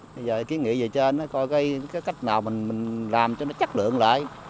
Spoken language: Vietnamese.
bây giờ kiến nghị về trên coi cái cách nào mình làm cho nó chất lượng lại